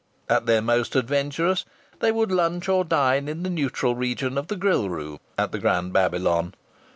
At their most adventurous they would lunch or dine in the neutral region of the grill room at the Grand Babylon.